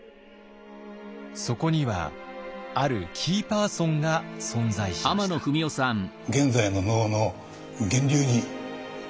そこにはあるキーパーソンが存在しました。